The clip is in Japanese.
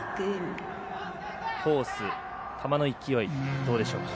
コース、球の勢いどうでしょうか。